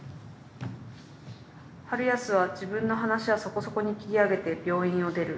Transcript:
「春康は自分の話はそこそこに切り上げて病院を出る。